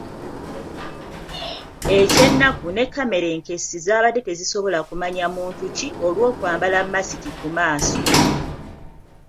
Eky'ennaku ne kamera enkessi zaabadde tezisobola kumanya muntu ki olw'okwambala masiki ku maaso.